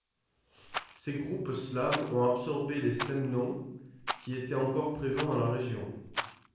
Ces groupes slaves ont absorbé les Semnons qui étaient encore présents dans la région.